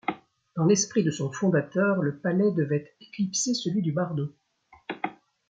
Dans l'esprit de son fondateur, le palais devait éclipser celui du Bardo.